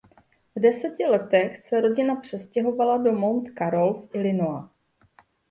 V deseti letech se rodina přestěhovala do Mount Carroll v Illinois.